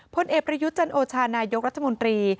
พลเอกประยุทธ์จันโอชานายกรัฐมนตรี